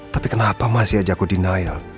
tapi kenapa masih aja aku denial